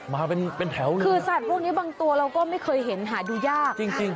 มาเป็นแถวคือสัตว์พวกนี้บางตัวเราก็ไม่เคยเห็นหาดูยาก